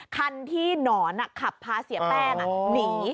คันที่หนอนขับพาเสียแป้งหนี